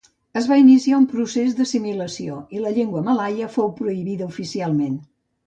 Es va iniciar un procés d'assimilació i la llengua malaia fou prohibida oficialment.